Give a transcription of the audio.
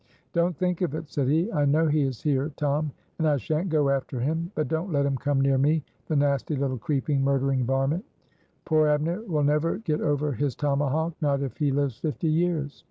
"Don't think of it," said he. "I know he is here, Tom, and I shan't go after him. But don't let him come near me, the nasty little, creeping, murdering varmint. Poor Abner will never get over his tomahawk not if he lives fifty years."